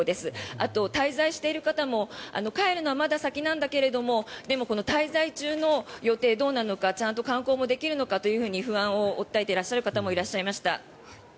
あと、滞在している方も帰るのはまだ先なんだけどもでも、この滞在中の予定どうなるのかちゃんと観光もできるのかと不安を訴えている方もいらっしゃいました。